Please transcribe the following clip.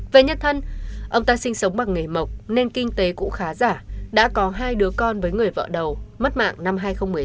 về nhân thân ông ta sinh sống bằng nghề mộc nên kinh tế cũng khá giả đã có hai đứa con với người vợ đầu mất mạng năm hai nghìn một mươi năm